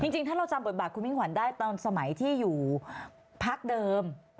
จริงถ้าเราจำบทบาทคุณมิ่งขวัญได้ตอนสมัยที่อยู่พักเดิม